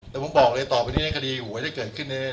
แต่ผมบอกเลยต่อไปนี่ในคดีหัวไว้ถ้าเกิดขึ้นเนี้ย